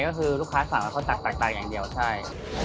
ก็คือลูกค้าสั่งแล้วเขาตักอย่างเดียวใช่